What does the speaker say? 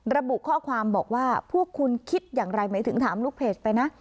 ระบุข้อความบอกว่าพวกคุณคิดอย่างไรหมายถึงถามลูกเพจไปนะ